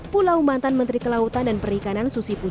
pulau mantan menteri kelautan dan perikanan susi puji